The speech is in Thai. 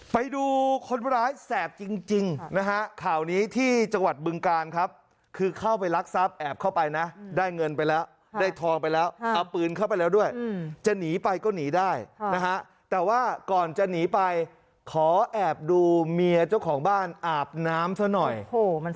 ไปดูคนร้ายแสบจริงนะฮะข่าวนี้ที่จังหวัดบึงการครับคือเข้าไปรักทรัพย์แอบเข้าไปนะได้เงินไปแล้วได้ทองไปแล้วเอาปืนเข้าไปแล้วด้วยจะหนีไปก็หนีได้นะฮะแต่ว่าก่อนจะหนีไปขอแอบดูเมียเจ้าของบ้านอาบน้ำซะหน่อย